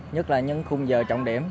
nhất là những khung giờ trọng điểm